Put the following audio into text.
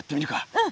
うん。